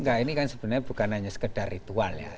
enggak ini kan sebenarnya bukan hanya sekedar ritual ya